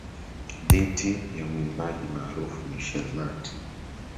dhiti ya mwimbaji maarufu michele mati